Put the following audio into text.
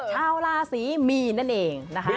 ชาวราศีมีนนั่นเองนะคะ